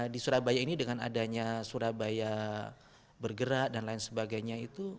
di surabaya ini dengan adanya surabaya bergerak dan lain sebagainya itu